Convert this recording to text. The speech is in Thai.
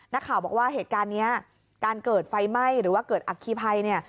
นักข่าวบอกว่าเหตุการณ์นี้การเกิดไฟไหม้หรือว่าเกิดอัคคีภัยเนี่ย